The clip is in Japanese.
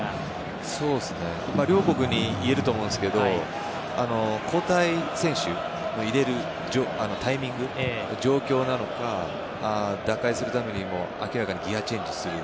両国にいえると思いますけど交代選手、入れるタイミング状況なのか、打開するために明らかにギアチェンジする